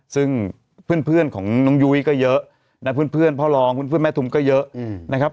ซึ่งเพื่อนของน้องยุ้ยก็เยอะนะเพื่อนพ่อรองเพื่อนแม่ทุมก็เยอะนะครับ